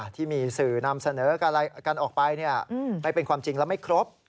ที่มีสื่อนำเสนอกันออกไปไม่เป็นความจริงแล้วไม่ครบ